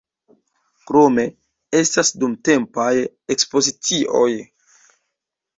Krome estas dumtempaj ekspozicioj.